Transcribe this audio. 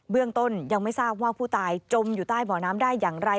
เรื่องต้นยังไม่ทราบว่าผู้ตายจมอยู่ใต้บ่อน้ำได้อย่างไร